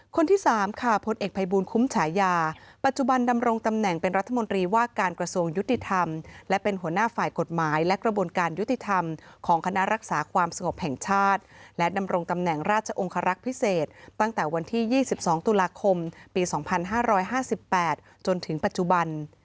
คนที่๓ค่ะพลเอกภัยบูลคุ้มฉายาปัจจุบันดำรงตำแหน่งเป็นรัฐมนตรีว่าการกระทรวงยุติธรรมและเป็นหัวหน้าฝ่ายกฎหมายและกระบวนการยุติธรรมของคณะรักษาความสงบแห่งชาติและดำรงตำแหน่งราชองคารักษ์พิเศษตั้งแต่วันที่๒๒ตุลาคมปี๒๕๕๘จนถึงปัจจุบัน